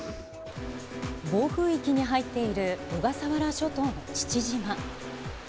暴風域に入っている小笠原諸島の父島。